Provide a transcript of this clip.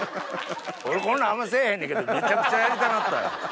俺こんなあんませぇへんねんけどめちゃくちゃやりたなった。